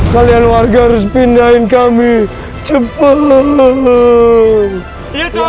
kalian warga harus pindahin kami cepat